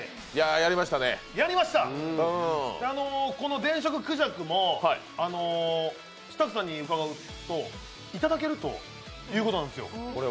やりました、この電飾クジャクもスタッフさんに伺うといただけるということなんですよ。